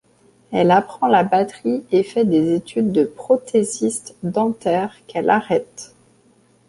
Elle apprend la batterie et fait des études de prothésiste dentaire qu'elle arrête.